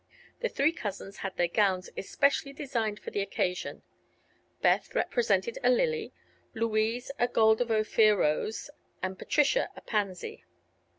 The three cousins had their gowns especially designed for the occasion. Beth represented a lily, Louise a Gold of Ophir rose, and Patricia a pansy.